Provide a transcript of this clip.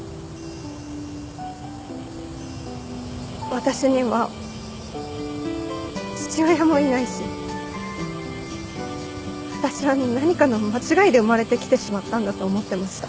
私には父親もいないし私は何かの間違いで生まれてきてしまったんだと思ってました。